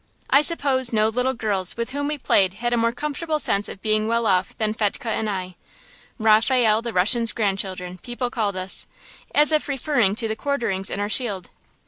I suppose no little girls with whom we played had a more comfortable sense of being well off than Fetchke and I. "Raphael the Russian's grandchildren" people called us, as if referring to the quarterings in our shield.